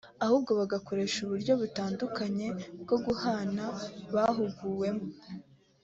ahubwo bagakoresha uburyo butandukanye bwo guhana bahuguwemo